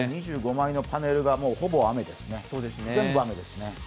２５枚のパネルが、ほぼ雨ですね、全部雨ですね。